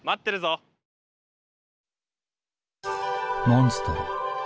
モンストロ。